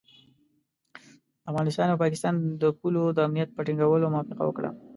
افغانستان او پاکستان د پولو د امنیت په ټینګولو موافقه وکړه.